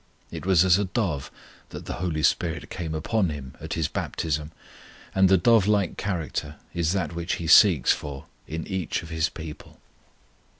It was as a dove that the HOLY SPIRIT came upon Him at His baptism, and the dove like character is that which He seeks for in each of His people.